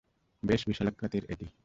বেশ বিশালাকৃতির এটা!